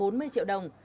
bốn mươi triệu đồng